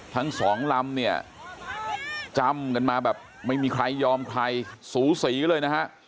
ทั้งสองลำเนี่ยจำกันมาแบบไม่มีใครยอมใครสูสีเลยนะฮะ